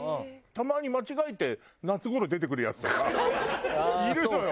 たまに間違えて夏頃出てくるやつとかいるのよ